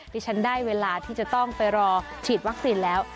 ที่ฉันได้เวลาที่จะต้องไปรอฉีดวัคซีนแล้ว